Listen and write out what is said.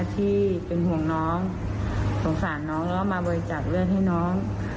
ที่เป็นห่วงน้องสงสารน้องแล้วก็มาบริจาคเลือดให้น้อง